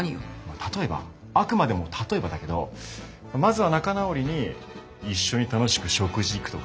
例えばあくまでも例えばだけどまずは仲直りに一緒に楽しく食事行くとか。